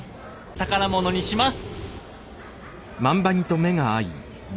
宝物にします！